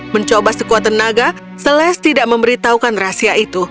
mencoba sekuat tenaga seles tidak memberitahukan rahasia itu